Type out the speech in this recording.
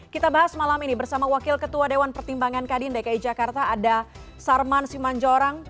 kita bahas malam ini bersama wakil ketua dewan pertimbangan kadin dki jakarta ada sarman simanjorang